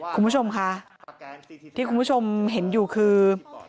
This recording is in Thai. คุณผู้ชมค่ะที่คุณผู้ชมเห็นอยู่คือ